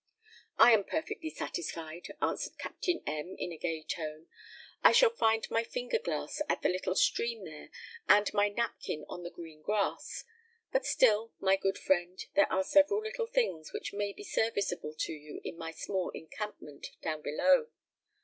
"I am perfectly satisfied," answered Captain M , in a gay tone; "I shall find my finger glass at the little stream there, and my napkin on the green grass; but still, my good friend, there are several little things which may be serviceable to you in my small encampment down below.